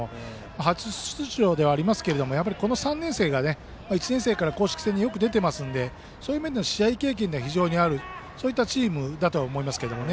初出場ではありますが３年生が、１年生から公式戦によく出ていますのでそういう意味では試合経験が非常にあるそういったチームだと思います。